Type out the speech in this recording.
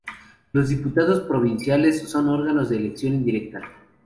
Las diputaciones provinciales son órganos de elección indirecta.